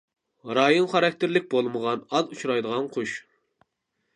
رايون خاراكتېرلىك بولمىغان ئاز ئۇچرايدىغان قۇش.